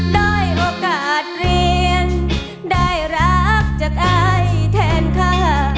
ได้โอกาสเรียนได้รักจากอายแทนค่ะ